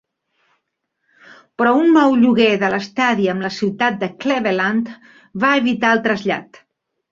Però un nou lloguer de l'estadi amb la ciutat de Cleveland va evitar el trasllat.